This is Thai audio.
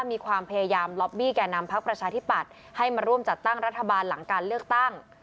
มีความพยายามล็อบบี้แก่นำพักประชาธิปัตย์ให้มาร่วมจัดตั้งรัฐบาลหลังการเลือกตั้ง